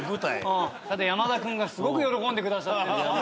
山田君がすごく喜んでくださって。